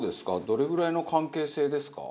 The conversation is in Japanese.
どれぐらいの関係性ですか？